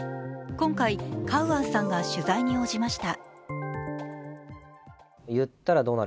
今回、カウアンさんが取材に応じました。